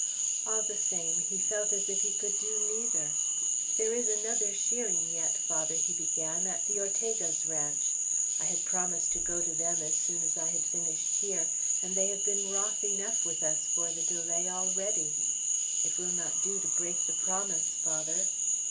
All the same, he felt as if he could do neither. "There is another shearing yet, Father," he began, "at the Ortega's ranch. I had promised to go to them as soon as I had finished here, and they have been wroth enough with us for the delay already. It will not do to break the promise, Father."